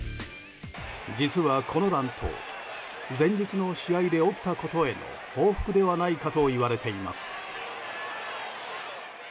実は、この乱闘前日の試合で起きたことへの報復ではないかといわれています。